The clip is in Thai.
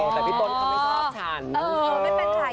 แต่พี่ต้นเขาไม่ชอบฉัน